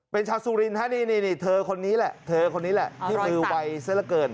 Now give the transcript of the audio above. เป็นชาสุรินทร์นี่เธอคนนี้แหละที่คือวัยเสร็จละเกิน